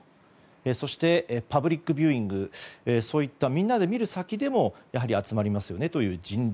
そして、パブリックビューイングそういったみんなで見る先でもやはり集まりますよねという人流